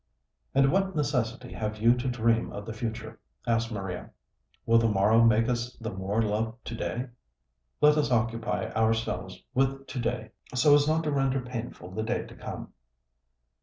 "And what necessity have you to dream of the future?" asked Maria. "Will the morrow make us the more love to day? Let us occupy ourselves with to day, so as not to render painful the day to come."